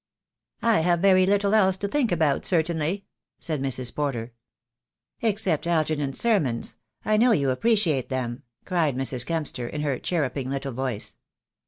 "I have very little else to think about, certainly," said Mrs. Porter. "Except Algernon's sermons. I know you appreciate them," cried Mrs. Kempster, in her chirruping little voice.